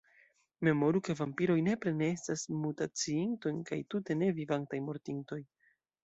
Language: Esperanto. Memoru, ke vampiroj nepre ne estas mutaciintoj, kaj, tute ne, vivantaj mortintoj.